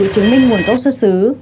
chứng minh nguồn cốc xuất xứ